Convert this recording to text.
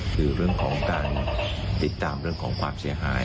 คือเรื่องของการติดตามเรื่องของความเสียหาย